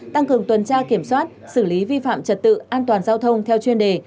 tăng cường tuần tra kiểm soát xử lý vi phạm trật tự an toàn giao thông theo chuyên đề